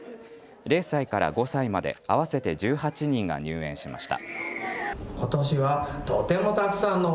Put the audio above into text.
０歳から５歳まで合わせて１８人が入園しました。